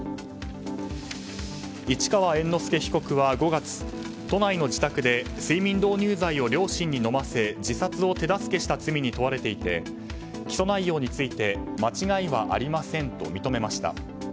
市川猿之助被告は５月都内の自宅で睡眠導入剤を両親に飲ませ自殺を手助けした罪に問われていて起訴内容について間違いはありませんと認めました。